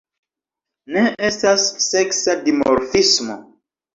Ne estas seksa dimorfismo.